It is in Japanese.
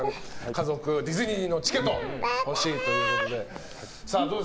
家族はディズニーのチケットが欲しいということで。